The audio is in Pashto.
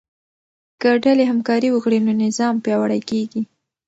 که ډلې همکاري وکړي نو نظام پیاوړی کیږي.